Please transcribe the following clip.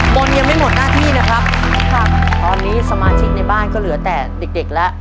มนต์ยังไม่หมดหน้าที่นะครับตอนนี้สมาชิกในบ้านก็เหลือแต่เด็กเด็กแล้ว